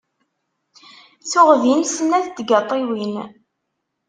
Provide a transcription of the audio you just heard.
Tuɣ din snat tgaṭiwin.